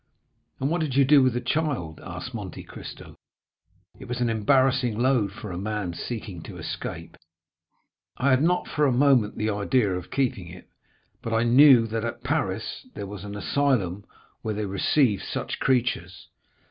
'" 20295m "And what did you do with the child?" asked Monte Cristo. "It was an embarrassing load for a man seeking to escape." "I had not for a moment the idea of keeping it, but I knew that at Paris there was an asylum where they receive such creatures.